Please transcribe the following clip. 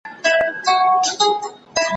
له عطاره دوکان پاته سو هک پک سو